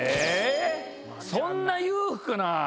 そんな裕福な。